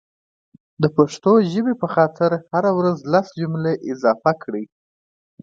دا پښتو ژبې په خاطر هره ورځ لس جملي اضافه کړئ